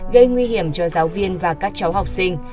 gây nguy hiểm cho giáo viên và các cháu học sinh